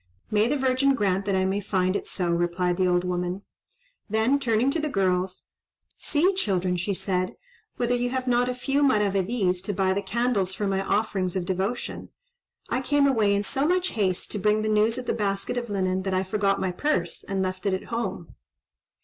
"May the Virgin grant that I find it so," replied the old woman. Then turning to the girls, "See, children," she said "whether you have not a few maravedis to buy the candles for my offerings of devotion. I came away in so much haste, to bring the news of the basket of linen, that I forgot my purse, and left it at home."